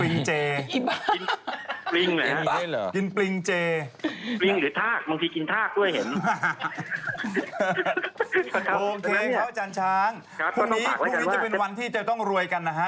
มีตั้งหรือวันจะเป็นวันที่จะต้องรวยกันนะ